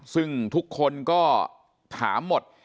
ซึ่งทุกคนก็ถามหมด